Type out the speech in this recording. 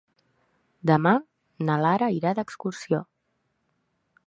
Demà na Lara irà d'excursió.